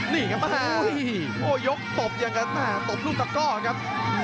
นี่ครับโหยกตบอย่างนั้นนะตบรูปตักก้อนครับ